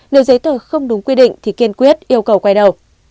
nếu giấy tờ không đúng quy định thì kiên quyết yêu cầu quay đầu